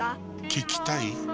聞きたい？